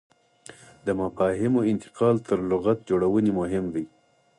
د مفاهیمو انتقال تر لغت جوړونې مهم دی.